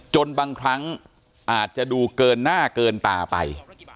บางครั้งอาจจะดูเกินหน้าเกินตาไป